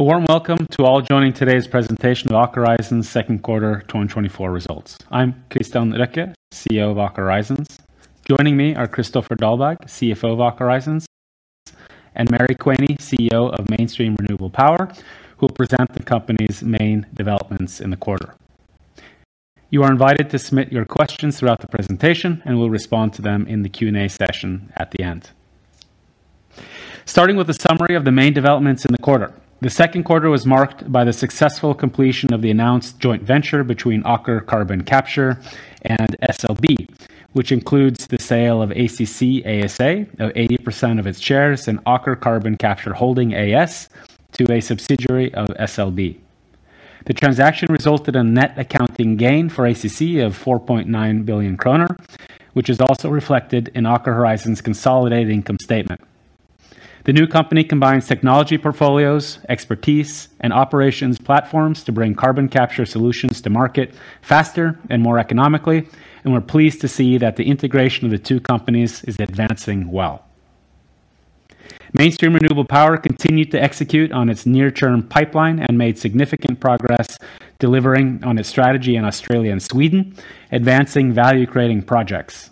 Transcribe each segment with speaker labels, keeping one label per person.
Speaker 1: A warm welcome to all joining today's presentation of Aker Horizons second quarter 2024 results. I'm Kristian Røkke, CEO of Aker Horizons. Joining me are Kristoffer Dahlberg, CFO of Aker Horizons, and Mary Quaney, CEO of Mainstream Renewable Power, who will present the company's main developments in the quarter. You are invited to submit your questions throughout the presentation, and we'll respond to them in the Q&A session at the end. Starting with a summary of the main developments in the quarter. The second quarter was marked by the successful completion of the announced joint venture between Aker Carbon Capture and SLB, which includes the sale of ACC ASA of 80% of its shares in Aker Carbon Capture Holding AS to a subsidiary of SLB. The transaction resulted in net accounting gain for ACC of 4.9 billion kroner, which is also reflected in Aker Horizons' consolidated income statement. The new company combines technology portfolios, expertise, and operations platforms to bring carbon capture solutions to market faster and more economically, and we're pleased to see that the integration of the two companies is advancing well. Mainstream Renewable Power continued to execute on its near-term pipeline and made significant progress delivering on its strategy in Australia and Sweden, advancing value-creating projects.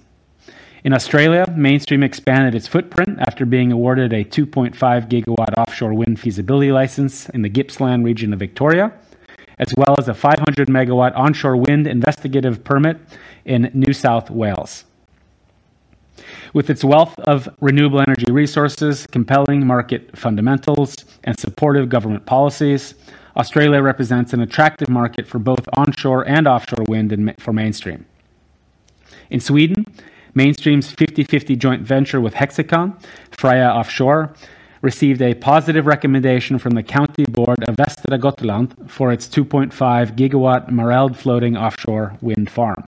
Speaker 1: In Australia, Mainstream expanded its footprint after being awarded a 2.5 GW offshore wind feasibility license in the Gippsland region of Victoria, as well as a 500 MW onshore wind investigative permit in New South Wales. With its wealth of renewable energy resources, compelling market fundamentals, and supportive government policies, Australia represents an attractive market for both onshore and offshore wind for Mainstream. In Sweden, Mainstream's 50/50 joint venture with Hexicon, Freja Offshore, received a positive recommendation from the County Board of Västra Götaland for its 2.5 GW Mareld floating offshore wind farm.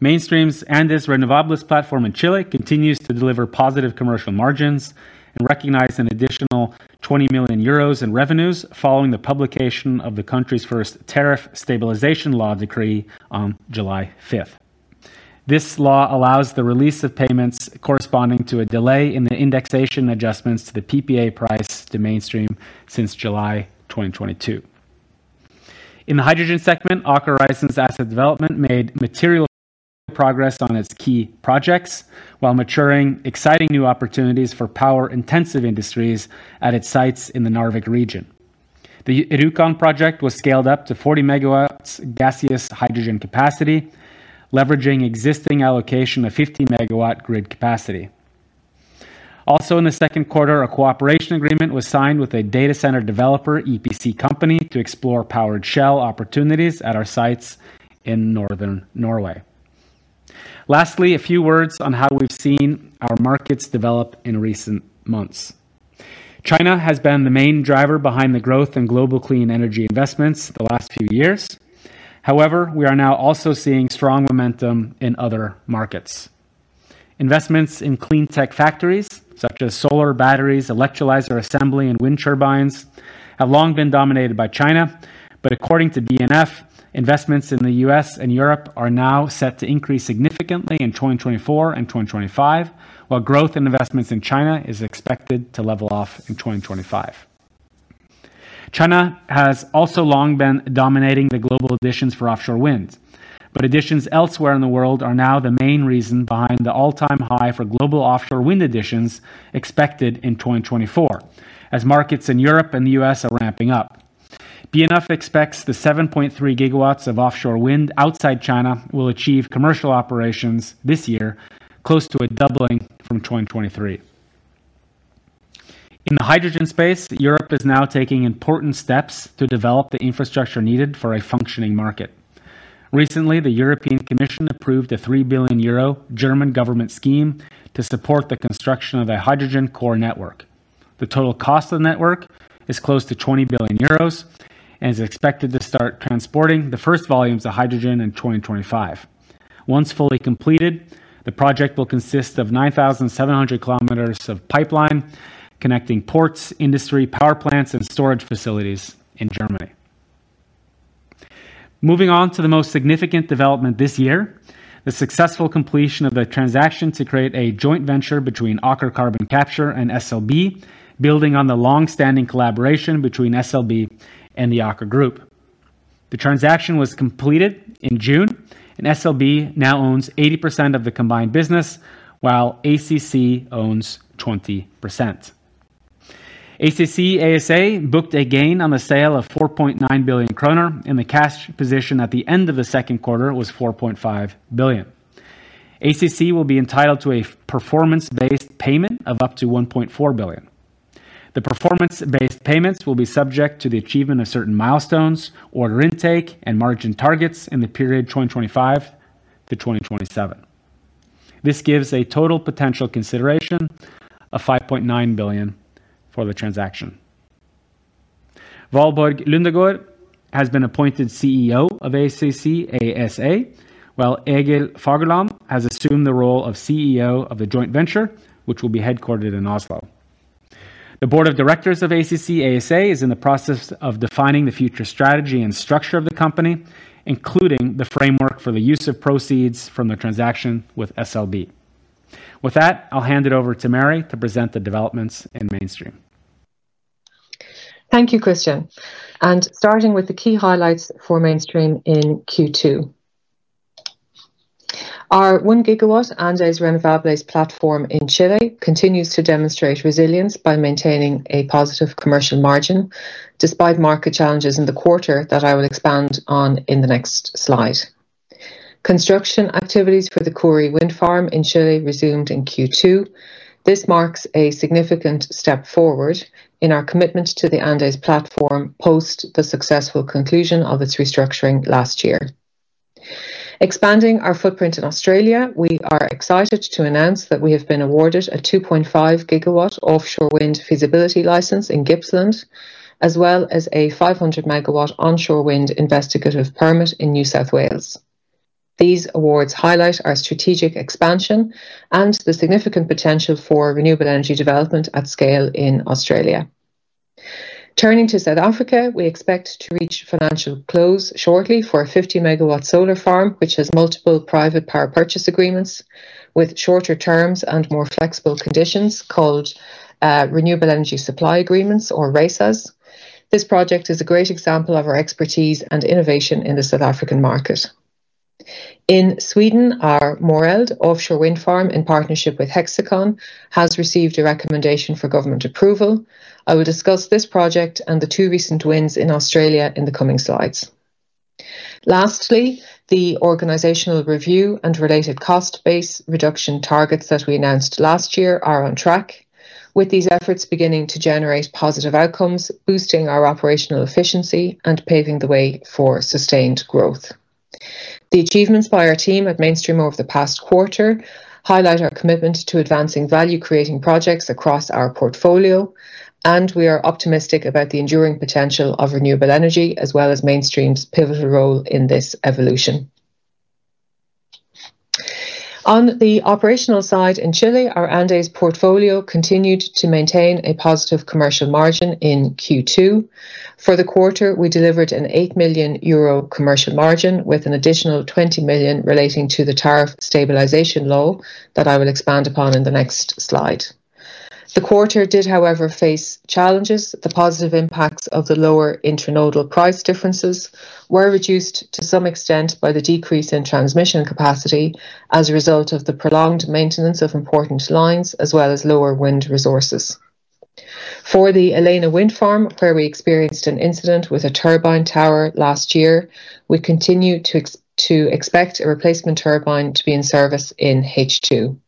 Speaker 1: Mainstream's Andes Renovables platform in Chile continues to deliver positive commercial margins and recognize an additional 20 million euros in revenues following the publication of the country's first tariff stabilization law decree on July 5th. This law allows the release of payments corresponding to a delay in the indexation adjustments to the PPA price to Mainstream since July 2022. In the hydrogen segment, Aker Horizons Asset Development made material progress on its key projects while maturing exciting new opportunities for power-intensive industries at its sites in the Narvik region. The Rjukan project was scaled up to 40 MW gaseous hydrogen capacity, leveraging existing allocation of 50 MW grid capacity. Also, in the second quarter, a cooperation agreement was signed with a data center developer, EPC company, to explore Powered Shell opportunities at our sites in Northern Norway. Lastly, a few words on how we've seen our markets develop in recent months. China has been the main driver behind the growth in global clean energy investments the last few years. However, we are now also seeing strong momentum in other markets. Investments in clean tech factories, such as solar, batteries, electrolyzes, assembly, and wind turbines, have long been dominated by China. But according to BNF, investments in the U.S. and Europe are now set to increase significantly in 2024 and 2025, while growth in investments in China is expected to level off in 2025. China has also long been dominating the global additions for offshore wind, but additions elsewhere in the world are now the main reason behind the all-time high for global offshore wind additions expected in 2024, as markets in Europe and the U.S. are ramping up. BNF expects the 7.3 GW of offshore wind outside China will achieve commercial operations this year, close to a doubling from 2023. In the hydrogen space, Europe is now taking important steps to develop the infrastructure needed for a functioning market. Recently, the European Commission approved a 3 billion euro German government scheme to support the construction of a hydrogen core network. The total cost of the network is close to 20 billion euros and is expected to start transporting the first volumes of hydrogen in 2025. Once fully completed, the project will consist of 9,700 kilometers of pipeline connecting ports, industry, power plants, and storage facilities in Germany. Moving on to the most significant development this year, the successful completion of a transaction to create a joint venture between Aker Carbon Capture and SLB, building on the long-standing collaboration between SLB and the Aker group. The transaction was completed in June, and SLB now owns 80% of the combined business, while ACC owns 20%. ACC ASA booked a gain on the sale of 4.9 billion kroner, and the cash position at the end of the second quarter was 4.5 billion. ACC will be entitled to a performance-based payment of up to 1.4 billion. The performance-based payments will be subject to the achievement of certain milestones, order intake, and margin targets in the period 2025-2027. This gives a total potential consideration of 5.9 billion for the transaction. Valborg Lundegaard has been appointed CEO of ACC ASA, while Egil Fagerland has assumed the role of CEO of the joint venture, which will be headquartered in Oslo. The board of directors of ACC ASA is in the process of defining the future strategy and structure of the company, including the framework for the use of proceeds from the transaction with SLB. With that, I'll hand it over to Mary to present the developments in Mainstream.
Speaker 2: Thank you, Christian. Starting with the key highlights for Mainstream in Q2. Our 1 GW Andes Renovables platform in Chile continues to demonstrate resilience by maintaining a positive commercial margin, despite market challenges in the quarter that I will expand on in the next slide. Construction activities for the Ckhúri Wind Farm in Chile resumed in Q2. This marks a significant step forward in our commitment to the Andes platform, post the successful conclusion of its restructuring last year. Expanding our footprint in Australia, we are excited to announce that we have been awarded a 2.5 GW offshore wind feasibility license in Gippsland, as well as a 500 MW onshore wind investigative permit in New South Wales. These awards highlight our strategic expansion and the significant potential for renewable energy development at scale in Australia. Turning to South Africa, we expect to reach financial close shortly for a 50 MW solar farm, which has multiple private power purchase agreements with shorter terms and more flexible conditions called Renewable Energy Supply Agreements or RESAs. This project is a great example of our expertise and innovation in the South African market. In Sweden, our Mareld offshore wind farm, in partnership with Hexicon, has received a recommendation for government approval. I will discuss this project and the two recent wins in Australia in the coming slides. Lastly, the organizational review and related cost base reduction targets that we announced last year are on track, with these efforts beginning to generate positive outcomes, boosting our operational efficiency, and paving the way for sustained growth. The achievements by our team at Mainstream over the past quarter highlight our commitment to advancing value-creating projects across our portfolio, and we are optimistic about the enduring potential of renewable energy, as well as Mainstream's pivotal role in this evolution. On the operational side, in Chile, our Andes portfolio continued to maintain a positive commercial margin in Q2. For the quarter, we delivered an 8 million euro commercial margin with an additional 20 million relating to the Tariff Stabilization Law that I will expand upon in the next slide. The quarter did, however, face challenges. The positive impacts of the lower intranodal price differences were reduced to some extent by the decrease in transmission capacity as a result of the prolonged maintenance of important lines, as well as lower wind resources. For the Elena Wind Farm, where we experienced an incident with a turbine tower last year, we continue to expect a replacement turbine to be in service in H2.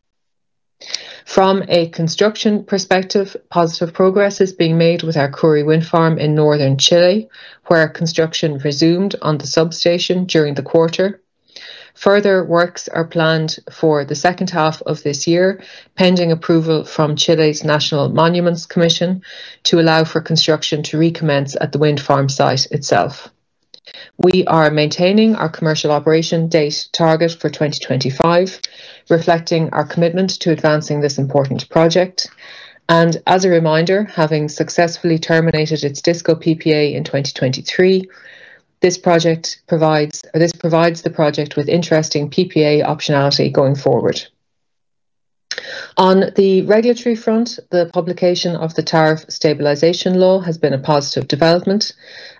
Speaker 2: From a construction perspective, positive progress is being made with our Ckhúri Wind Farm in Northern Chile, where construction resumed on the substation during the quarter. Further works are planned for the second half of this year, pending approval from Chile's National Monuments Commission, to allow for construction to recommence at the wind farm site itself. We are maintaining our commercial operation date target for 2025, reflecting our commitment to advancing this important project. And as a reminder, having successfully terminated its Disco PPA in 2023, this project provides. This provides the project with interesting PPA optionality going forward. On the regulatory front, the publication of the Tariff Stabilization Law has been a positive development,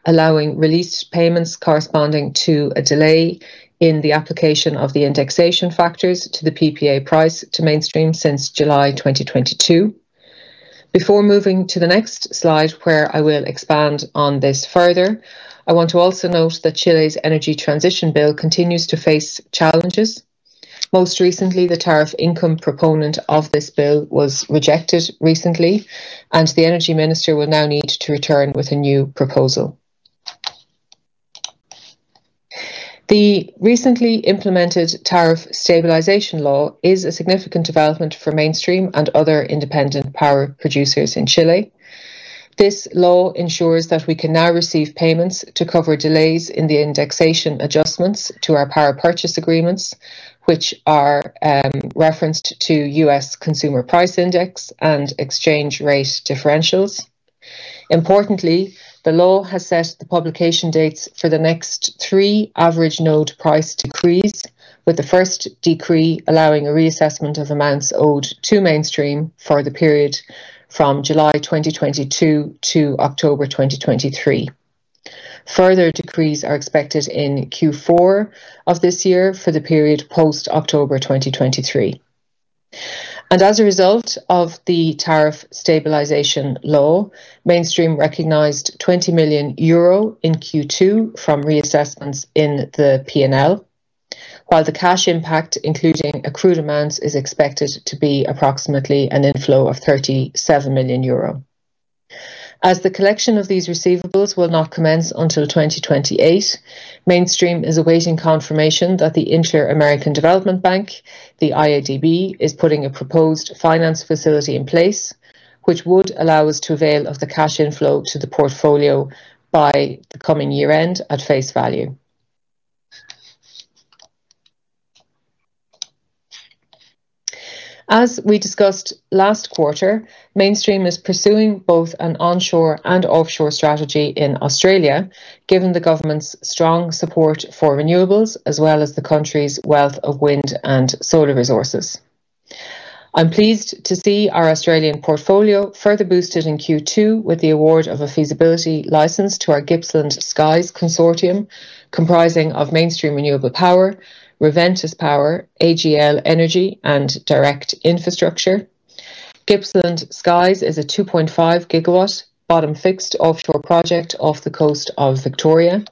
Speaker 2: allowing released payments corresponding to a delay in the application of the indexation factors to the PPA price to Mainstream since July 2022. Before moving to the next slide, where I will expand on this further, I want to also note that Chile's Energy Transition Bill continues to face challenges. Most recently, the tariff income proponent of this bill was rejected recently, and the Energy Minister will now need to return with a new proposal. The recently implemented Tariff Stabilization Law is a significant development for Mainstream and other independent power producers in Chile. This law ensures that we can now receive payments to cover delays in the indexation adjustments to our power purchase agreements, which are, referenced to U.S. Consumer Price Index and exchange rate differentials. Importantly, the law has set the publication dates for the next three average node price decrees, with the first decree allowing a reassessment of amounts owed to Mainstream for the period from July 2022 to October 2023. Further decrees are expected in Q4 of this year for the period post-October 2023. As a result of the Tariff Stabilization Law, Mainstream recognized 20 million euro in Q2 from reassessments in the P&L, while the cash impact, including accrued amounts, is expected to be approximately an inflow of 37 million euro. As the collection of these receivables will not commence until 2028, Mainstream is awaiting confirmation that the Inter-American Development Bank, the IADB, is putting a proposed finance facility in place, which would allow us to avail of the cash inflow to the portfolio by the coming year-end at face value. As we discussed last quarter, Mainstream is pursuing both an onshore and offshore strategy in Australia, given the government's strong support for renewables, as well as the country's wealth of wind and solar resources. I'm pleased to see our Australian portfolio further boosted in Q2 with the award of a feasibility license to our Gippsland Skies Consortium, comprising of Mainstream Renewable Power, Reventus Power, AGL Energy, and Direct Infrastructure. Gippsland Skies is a 2.5 GW bottom-fixed offshore project off the coast of Victoria.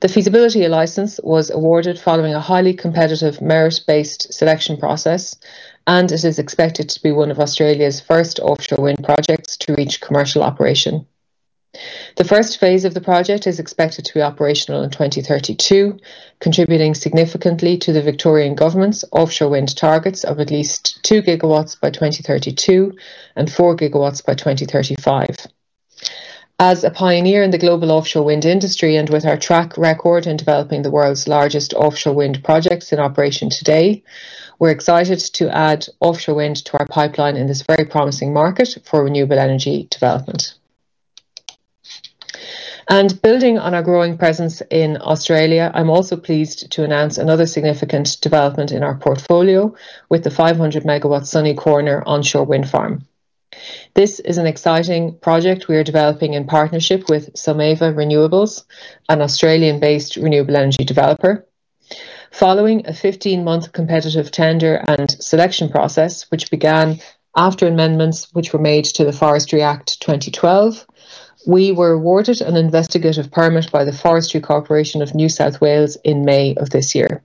Speaker 2: The feasibility license was awarded following a highly competitive, merit-based selection process, and it is expected to be one of Australia's first offshore wind projects to reach commercial operation. The first phase of the project is expected to be operational in 2032, contributing significantly to the Victorian government's offshore wind targets of at least 2 GW by 2032, and 4 GW by 2035. As a pioneer in the global offshore wind industry, and with our track record in developing the world's largest offshore wind projects in operation today, we're excited to add offshore wind to our pipeline in this very promising market for renewable energy development. Building on our growing presence in Australia, I'm also pleased to announce another significant development in our portfolio, with the 500 MW Sunny Corner onshore wind farm. This is an exciting project we are developing in partnership with Someva Renewables, an Australian-based renewable energy developer. Following a 15-month competitive tender and selection process, which began after amendments which were made to the Forestry Act 2012, we were awarded an investigative permit by the Forestry Corporation of New South Wales in May of this year.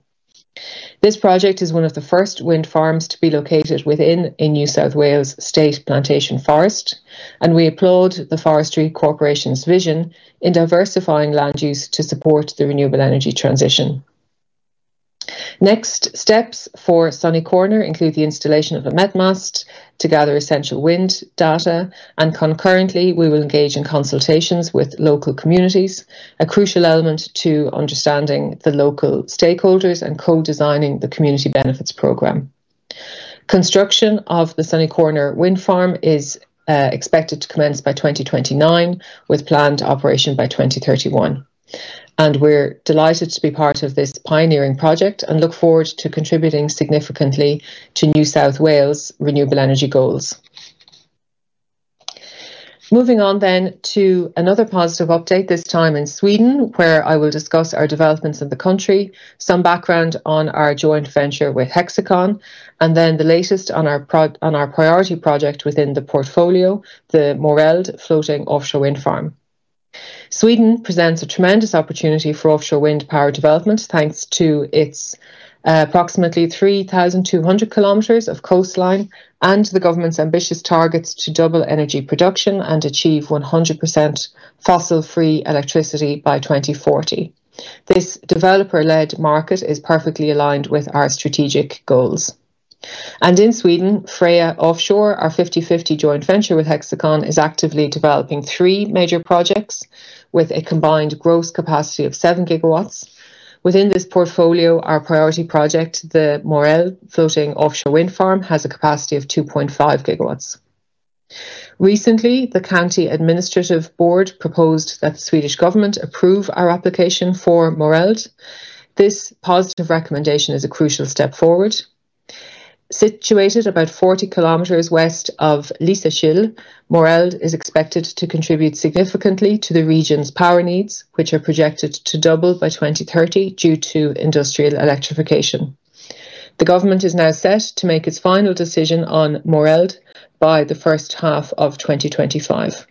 Speaker 2: This project is one of the first wind farms to be located within a New South Wales state plantation forest, and we applaud the Forestry Corporation's vision in diversifying land use to support the renewable energy transition. Next steps for Sunny Corner include the installation of a met mast to gather essential wind data, and concurrently, we will engage in consultations with local communities, a crucial element to understanding the local stakeholders and co-designing the community benefits program. Construction of the Sunny Corner wind farm is expected to commence by 2029, with planned operation by 2031. We're delighted to be part of this pioneering project, and look forward to contributing significantly to New South Wales renewable energy goals. Moving on then to another positive update, this time in Sweden, where I will discuss our developments in the country, some background on our joint venture with Hexicon, and then the latest on our priority project within the portfolio, the Mareld floating offshore wind farm. Sweden presents a tremendous opportunity for offshore wind power development, thanks to its approximately 3,200 kilometers of coastline, and the government's ambitious targets to double energy production and achieve 100% fossil-free electricity by 2040. This developer-led market is perfectly aligned with our strategic goals. In Sweden, Freja Offshore, our 50/50 joint venture with Hexicon, is actively developing three major projects with a combined gross capacity of 7 GW. Within this portfolio, our priority project, the Mareld floating offshore wind farm, has a capacity of 2.5 GW. Recently, the County Administrative Board proposed that the Swedish government approve our application for Mareld. This positive recommendation is a crucial step forward. Situated about 40 km west of Lysekil, Mareld is expected to contribute significantly to the region's power needs, which are projected to double by 2030 due to industrial electrification. The government is now set to make its final decision on Mareld by the first half of 2025.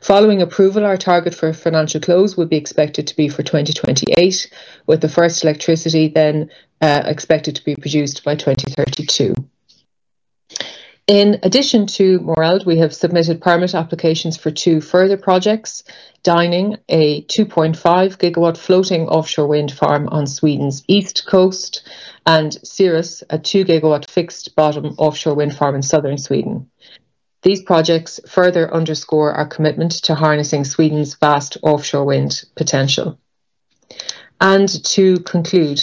Speaker 2: Following approval, our target for a financial close would be expected to be for 2028, with the first electricity then expected to be produced by 2032. In addition to Mareld, we have submitted permit applications for two further projects: Dyning, a 2.5 GW floating offshore wind farm on Sweden's East Coast, and Cirrus, a 2 GW fixed-bottom offshore wind farm in Southern Sweden. These projects further underscore our commitment to harnessing Sweden's vast offshore wind potential. To conclude,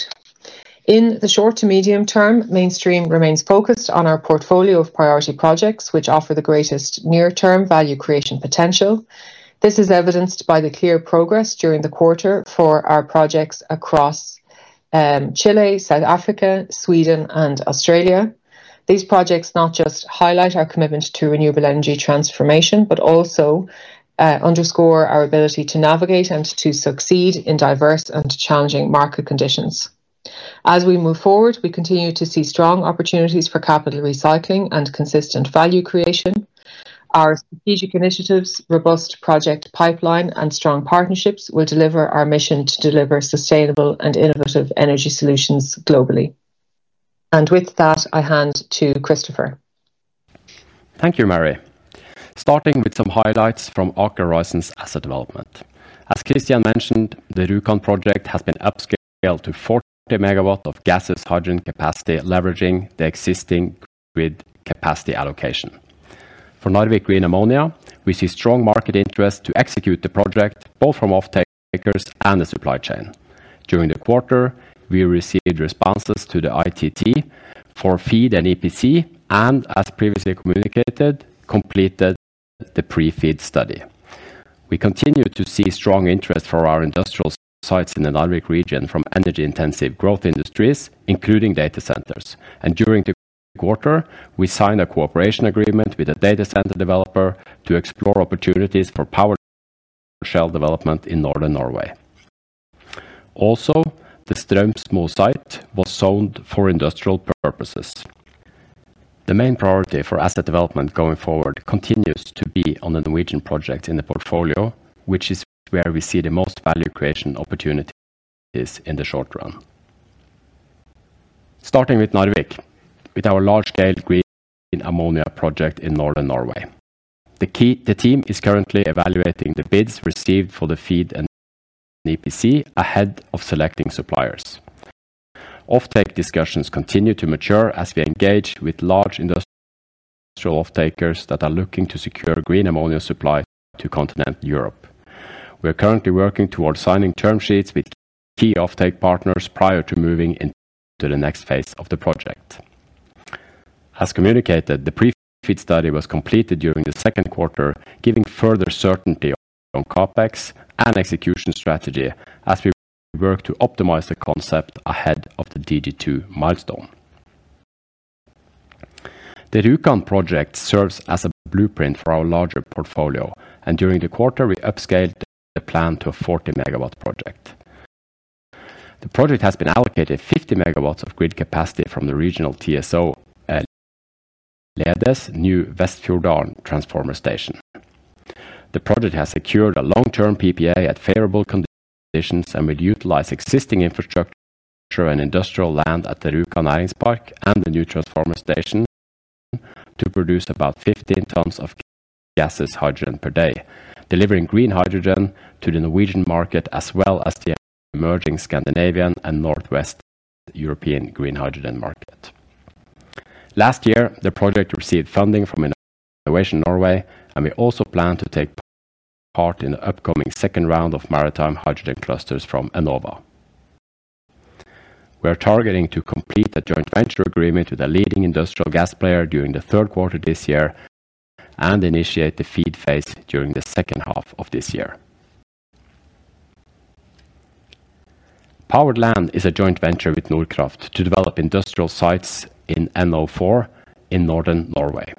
Speaker 2: in the short to medium term, Mainstream remains focused on our portfolio of priority projects, which offer the greatest near-term value creation potential. This is evidenced by the clear progress during the quarter for our projects across Chile, South Africa, Sweden, and Australia. These projects not just highlight our commitment to renewable energy transformation, but also underscore our ability to navigate and to succeed in diverse and challenging market conditions. As we move forward, we continue to see strong opportunities for capital recycling and consistent value creation. Our strategic initiatives, robust project pipeline, and strong partnerships will deliver our mission to deliver sustainable and innovative energy solutions globally. With that, I hand to Kristoffer.
Speaker 3: Thank you, Marie. Starting with some highlights from Aker Horizons Asset Development. As Kristian mentioned, the Rjukan project has been upscaled to 40 MW of green hydrogen capacity, leveraging the existing grid capacity allocation. For Narvik Green Ammonia, we see strong market interest to execute the project, both from off-takers and the supply chain. During the quarter, we received responses to the ITT for feed and EPC, and as previously communicated, completed the pre-feed study. We continue to see strong interest for our industrial sites in the Narvik region from energy-intensive growth industries, including data centers. And during the quarter, we signed a cooperation agreement with a data center developer to explore opportunities for Powered Shell development in Northern Norway. Also, the Strømsnes site was zoned for industrial purposes. The main priority for asset development going forward continues to be on the Norwegian project in the portfolio, which is where we see the most value creation opportunities in the short run. Starting with Narvik, with our large-scale green ammonia project in Northern Norway. The team is currently evaluating the bids received for the FEED and EPC ahead of selecting suppliers. Offtake discussions continue to mature as we engage with large industrial off-takers that are looking to secure green ammonia supply to continental Europe. We are currently working towards signing term sheets with key offtake partners prior to moving into the next phase of the project. As communicated, the pre-FEED study was completed during the second quarter, giving further certainty on CapEx and execution strategy as we work to optimize the concept ahead of the DG2 milestone. The Rjukan project serves as a blueprint for our larger portfolio, and during the quarter, we upscaled the plan to a 40 MW project. The project has been allocated 50 MW of grid capacity from the regional TSO, Lede's new Vesleflåtan transformer station. The project has secured a long-term PPA at favorable conditions, and will utilize existing infrastructure and industrial land at the Rjukan Næringspark and the new transformer station to produce about 15 tons of gaseous hydrogen per day, delivering green hydrogen to the Norwegian market, as well as the emerging Scandinavian and Northwest European green hydrogen market. Last year, the project received funding from Innovation Norway, and we also plan to take part in the upcoming second round of maritime hydrogen clusters from Enova. We are targeting to complete the joint venture agreement with a leading industrial gas player during the third quarter this year and initiate the FEED phase during the second half of this year. Powered Land is a joint venture with Nordkraft to develop industrial sites in NO4 in Northern Norway.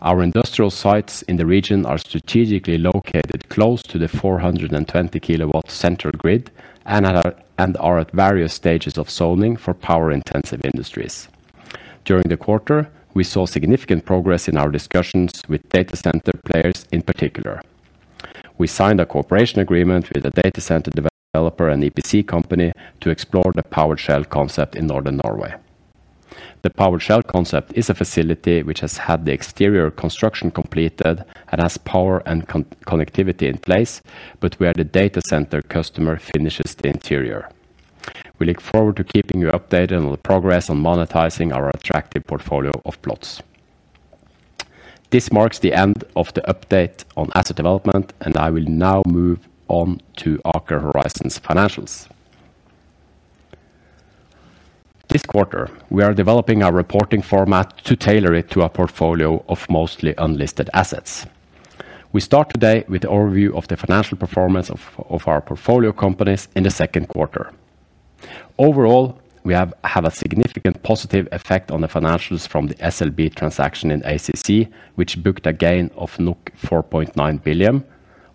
Speaker 3: Our industrial sites in the region are strategically located close to the 420 kV center grid and are at various stages of zoning for power-intensive industries. During the quarter, we saw significant progress in our discussions with data center players in particular. We signed a cooperation agreement with a data center developer and EPC company to explore the powered shell concept in Northern Norway. The powered shell concept is a facility which has had the exterior construction completed and has power and connectivity in place, but where the data center customer finishes the interior. We look forward to keeping you updated on the progress on monetizing our attractive portfolio of plots. This marks the end of the update on asset development, and I will now move on to Aker Horizons financials. This quarter, we are developing our reporting format to tailor it to a portfolio of mostly unlisted assets. We start today with the overview of the financial performance of our portfolio companies in the second quarter. Overall, we have a significant positive effect on the financials from the SLB transaction in ACC, which booked a gain of 4.9 billion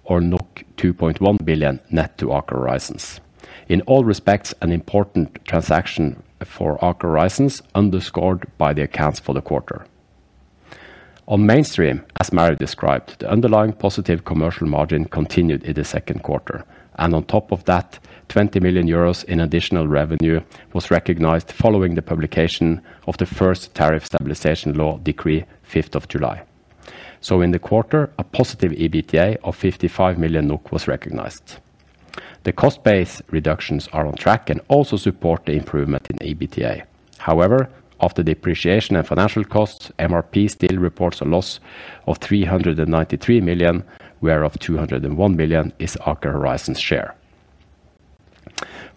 Speaker 3: or 2.1 billion net to Aker Horizons. In all respects, an important transaction for Aker Horizons, underscored by the accounts for the quarter. On Mainstream, as Mary described, the underlying positive commercial margin continued in the second quarter, and on top of that, 20 million euros in additional revenue was recognized following the publication of the first tariff stabilization law decree, fifth of July. So in the quarter, a positive EBITDA of 55 million NOK was recognized. The cost base reductions are on track and also support the improvement in EBITDA. However, after depreciation and financial costs, MRP still reports a loss of 393 million, whereof 201 million is Aker Horizons share.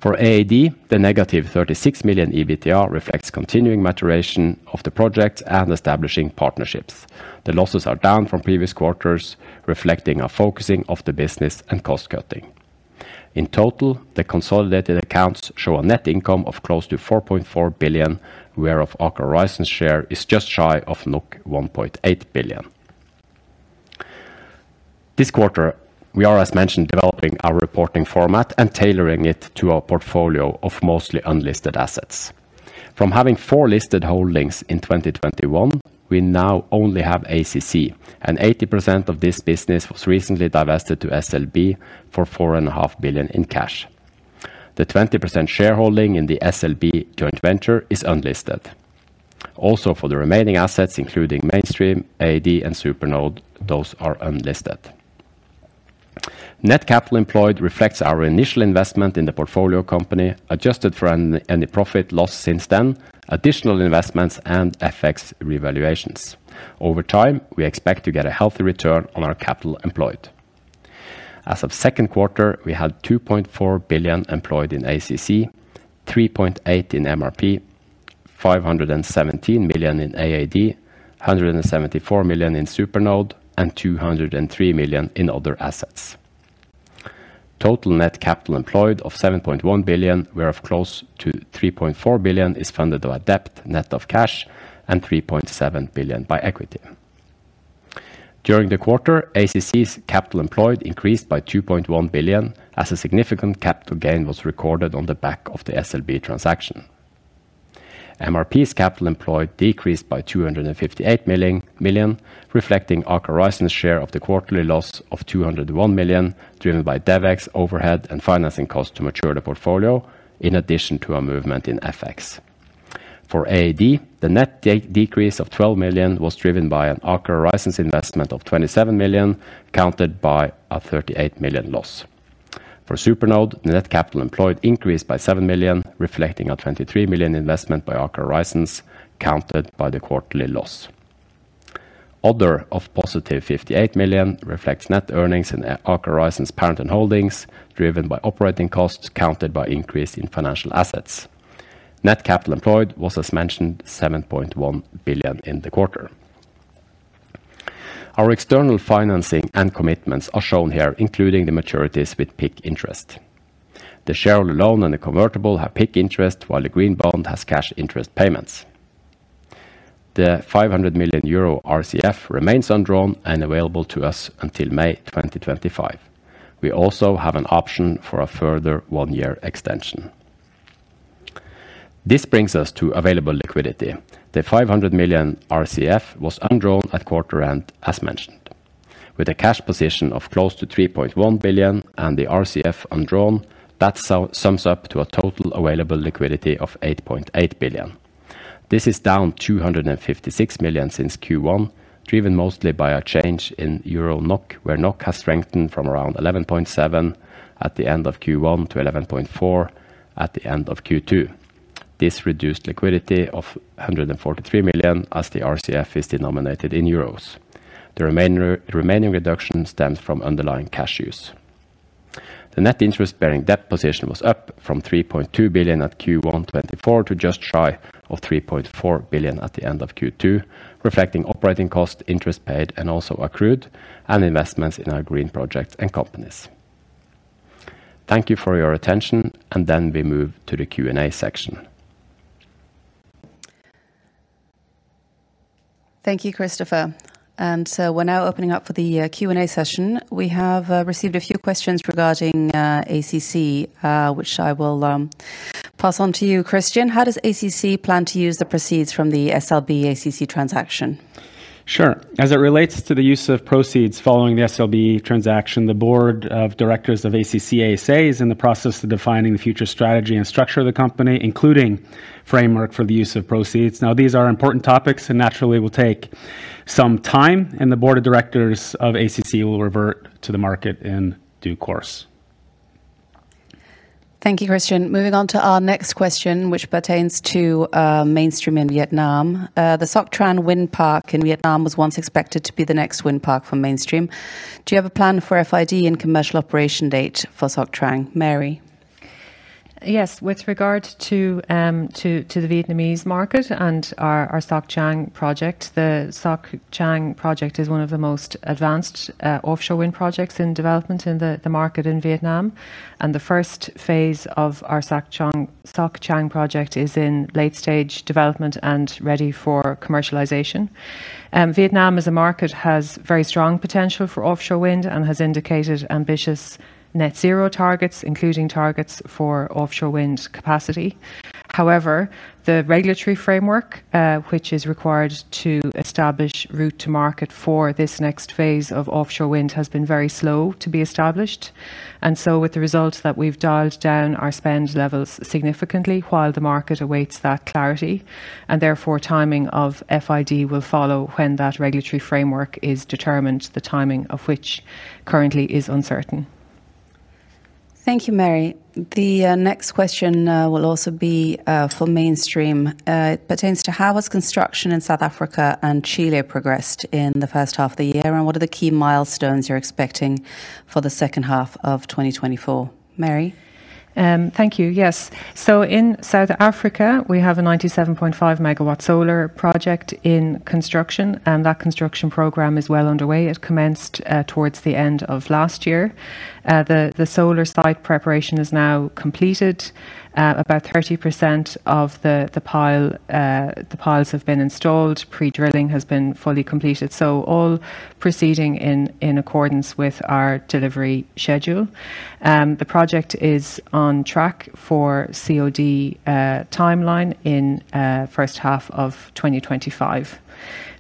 Speaker 3: For AAD, the -36 million EBITDA reflects continuing maturation of the projects and establishing partnerships. The losses are down from previous quarters, reflecting a focusing of the business and cost cutting. In total, the consolidated accounts show a net income of close to 4.4 billion, whereof Aker Horizons share is just shy of 1.8 billion. This quarter, we are, as mentioned, developing our reporting format and tailoring it to our portfolio of mostly unlisted assets. From having 4 listed holdings in 2021, we now only have ACC, and 80% of this business was recently divested to SLB for 4.5 billion in cash. The 20% shareholding in the SLB joint venture is unlisted. Also, for the remaining assets, including Mainstream, AAD, and SuperNode, those are unlisted. Net capital employed reflects our initial investment in the portfolio company, adjusted for any profit loss since then, additional investments and FX revaluations. Over time, we expect to get a healthy return on our capital employed. As of second quarter, we had 2.4 billion employed in ACC, 3.8 in MRP, 517 million in AAD, 174 million in SuperNode, and 203 million in other assets. Total net capital employed of 7.1 billion, whereof close to 3.4 billion is funded by debt, net of cash, and 3.7 billion by equity. During the quarter, ACC's capital employed increased by 2.1 billion, as a significant capital gain was recorded on the back of the SLB transaction. MRP's capital employed decreased by 258 million, reflecting Aker Horizons share of the quarterly loss of 201 million, driven by DevEx overhead and financing cost to mature the portfolio, in addition to a movement in FX. For AAD, the net decrease of 12 million was driven by an Aker Horizons investment of 27 million, countered by a 38 million loss. For SuperNode, the net capital employed increased by 7 million, reflecting a 23 million investment by Aker Horizons, countered by the quarterly loss. Other of +58 million reflects net earnings in Aker Horizons parent and holdings, driven by operating costs, countered by increase in financial assets. Net capital employed was, as mentioned, 7.1 billion in the quarter. Our external financing and commitments are shown here, including the maturities with PIK interest. The shareholder loan and the convertible have PIK interest, while the green bond has cash interest payments. The 500 million euro RCF remains undrawn and available to us until May 2025. We also have an option for a further one-year extension. This brings us to available liquidity. The 500 million RCF was undrawn at quarter end, as mentioned, with a cash position of close to 3.1 billion and the RCF undrawn, that sums up to a total available liquidity of 8.8 billion. This is down 256 million since Q1, driven mostly by a change in euro NOK, where NOK has strengthened from around 11.7 at the end of Q1 to 11.4 at the end of Q2. This reduced liquidity of 143 million, as the RCF is denominated in euros. The remainder, remaining reduction stems from underlying cash use. The net interest bearing debt position was up from 3.2 billion at Q1 2024 to just shy of 3.4 billion at the end of Q2, reflecting operating costs, interest paid, and also accrued, and investments in our green projects and companies. Thank you for your attention, and then we move to the Q&A section.
Speaker 4: Thank you, Kristoffer. So we're now opening up for the Q&A session. We have received a few questions regarding ACC, which I will pass on to you, Christian. How does ACC plan to use the proceeds from the SLB ACC transaction?
Speaker 1: Sure. As it relates to the use of proceeds following the SLB transaction, the board of directors of ACC ASA is in the process of defining the future strategy and structure of the company, including framework for the use of proceeds. Now, these are important topics and naturally will take some time, and the board of directors of ACC will revert to the market in due course.
Speaker 4: Thank you, Christian. Moving on to our next question, which pertains to Mainstream in Vietnam. The Soc Trang Wind Park in Vietnam was once expected to be the next wind park for Mainstream. Do you have a plan for FID and commercial operation date for Soc Trang? Mary?
Speaker 2: Yes. With regard to the Vietnamese market and our Soc Trang project, the Soc Trang project is one of the most advanced offshore wind projects in development in the market in Vietnam. And the first phase of our Soc Trang project is in late stage development and ready for commercialization. Vietnam, as a market, has very strong potential for offshore wind and has indicated ambitious net zero targets, including targets for offshore wind capacity. However, the regulatory framework, which is required to establish route to market for this next phase of offshore wind, has been very slow to be established. And so with the result that we've dialed down our spend levels significantly while the market awaits that clarity, and therefore, timing of FID will follow when that regulatory framework is determined, the timing of which currently is uncertain.
Speaker 4: Thank you, Mary. The next question will also be for Mainstream. It pertains to how has construction in South Africa and Chile progressed in the first half of the year, and what are the key milestones you're expecting for the second half of 2024? Mary?
Speaker 2: Thank you. Yes. So in South Africa, we have a 97.5 MW solar project in construction, and that construction program is well underway. It commenced towards the end of last year. The solar site preparation is now completed. About 30% of the piles have been installed. Pre-drilling has been fully completed. So all proceeding in accordance with our delivery schedule. The project is on track for COD timeline in first half of 2025.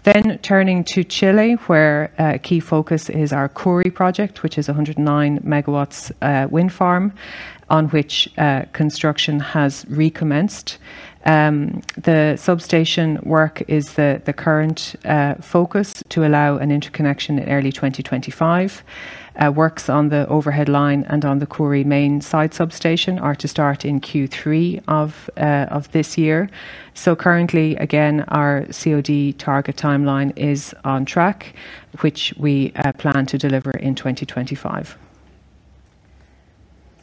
Speaker 2: Then turning to Chile, where a key focus is our Ckhúri project, which is 109 MW wind farm, on which construction has recommenced. The substation work is the current focus to allow an interconnection in early 2025. Works on the overhead line and on the Ckhúri main site substation are to start in Q3 of this year. So currently, again, our COD target timeline is on track, which we plan to deliver in 2025.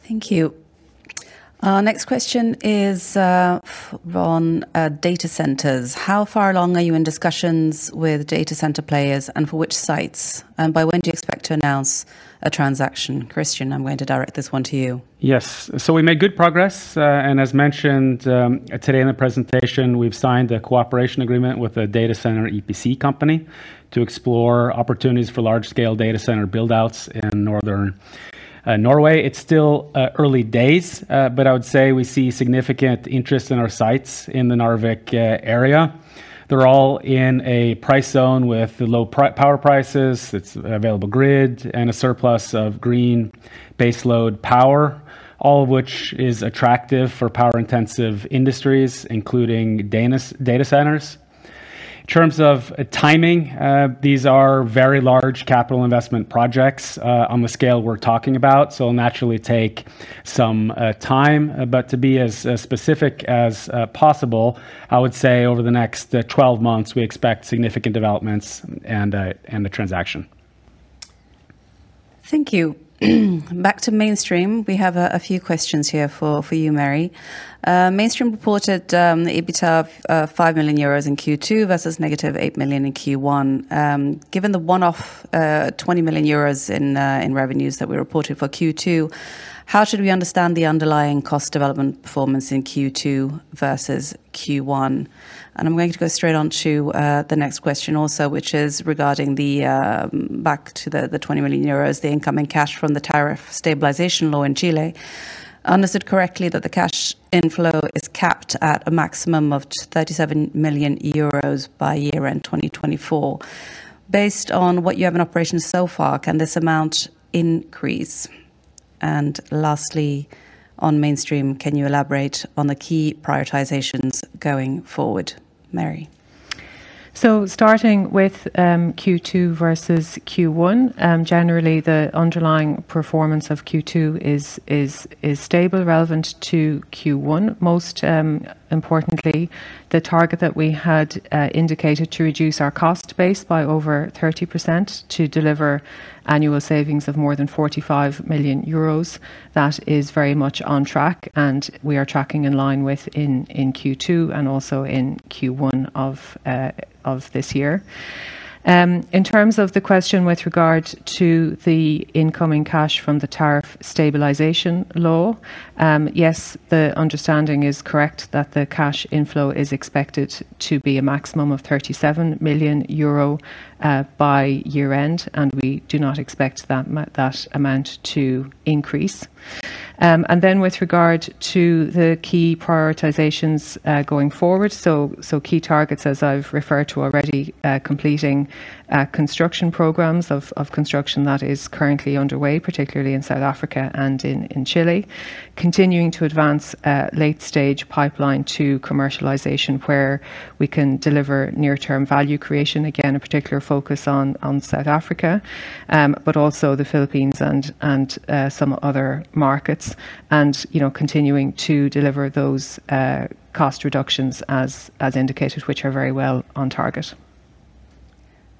Speaker 4: Thank you. Our next question is, on, data centers. How far along are you in discussions with data center players, and for which sites? And by when do you expect to announce a transaction? Christian, I'm going to direct this one to you.
Speaker 1: Yes. So we made good progress. And as mentioned, today in the presentation, we've signed a cooperation agreement with a data center EPC company to explore opportunities for large-scale data center build-outs in Northern Norway. It's still early days, but I would say we see significant interest in our sites in the Narvik area. They're all in a price zone with low power prices, it's available grid, and a surplus of green baseload power, all of which is attractive for power-intensive industries, including data centers. In terms of timing, these are very large capital investment projects, on the scale we're talking about, so it'll naturally take some time. But to be as specific as possible, I would say over the next 12 months, we expect significant developments and a transaction.
Speaker 4: Thank you. Back to Mainstream, we have a few questions here for you, Mary. Mainstream reported the EBITDA of 5 million euros in Q2 versus -8 million in Q1. Given the one-off 20 million euros in revenues that we reported for Q2, how should we understand the underlying cost development performance in Q2 versus Q1? And I'm going to go straight on to the next question also, which is regarding back to the 20 million euros, the incoming cash from the Tariff Stabilization Law in Chile. I understood correctly that the cash inflow is capped at a maximum of 37 million euros by year-end 2024. Based on what you have in operation so far, can this amount increase? And lastly, on Mainstream, can you elaborate on the key prioritizations going forward, Mary?
Speaker 2: So starting with Q2 versus Q1 generally, the underlying performance of Q2 is stable relative to Q1. Most importantly, the target that we had indicated to reduce our cost base by over 30% to deliver annual savings of more than 45 million euros, that is very much on track, and we are tracking in line with in Q2 and also in Q1 of this year. In terms of the question with regard to the incoming cash from the Tariff Stabilization Law, yes, the understanding is correct that the cash inflow is expected to be a maximum of 37 million euro by year-end, and we do not expect that amount to increase. And then with regard to the key prioritizations, going forward, so key targets, as I've referred to already, completing construction programs of construction that is currently underway, particularly in South Africa and in Chile. Continuing to advance late-stage pipeline to commercialization, where we can deliver near-term value creation. Again, a particular focus on South Africa, but also the Philippines and some other markets. You know, continuing to deliver those cost reductions as indicated, which are very well on target.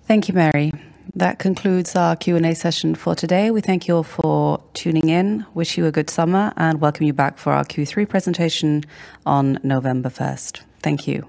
Speaker 4: Thank you, Mary. That concludes our Q&A session for today. We thank you all for tuning in. Wish you a good summer, and welcome you back for our Q3 presentation on November 1st. Thank you.